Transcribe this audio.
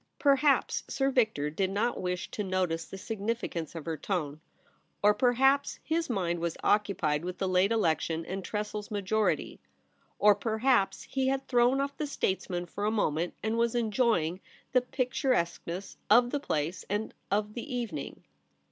Perhaps Sir Victor did not wish to notice the significance of her tone ; or perhaps his mind was occupied with the late election and Tressel's majority ; or perhaps he had thrown off the statesman for a moment, and was en joying the picturesqueness of the place and of the evening.